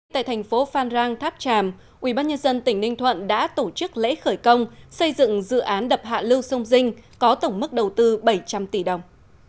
tại thành phố phan rang tháp tràm ubnd tỉnh ninh thuận đã tổ chức lễ khởi công xây dựng dự án đập hạ lưu sông dinh có tổng mức đầu tư bảy trăm linh tỷ đồng